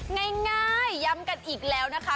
ง่ายย้ำกันอีกแล้วนะคะ